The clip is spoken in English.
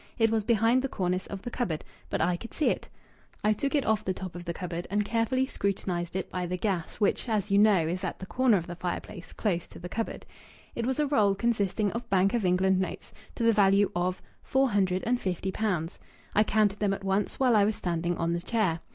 It was behind the cornice of the cupboard, but I could see it. I took it off the top of the cupboard and carefully scrutinized it by the gas, which, as you know, is at the corner of the fireplace, close to the cupboard. It was a roll consisting of Bank of England notes, to the value of four hundred and fifty pounds. I counted them at once, while I was standing on the chair.